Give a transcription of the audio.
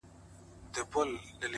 خیال دي؛